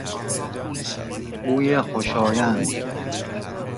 بوی خوشایند